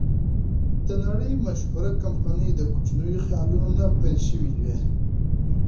د نړۍ مشهوره کمپنۍ د کوچنیو خیالونو نه پیل شوې وې.